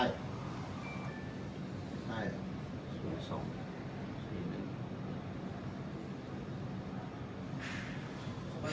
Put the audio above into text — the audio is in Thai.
ส่วนสุดท้ายส่วนสุดท้าย